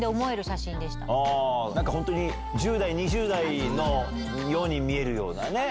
本当に１０代２０代のように見えるようなね。